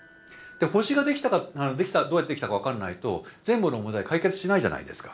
星がどうやってできたか分からないと全部の問題解決しないじゃないですか。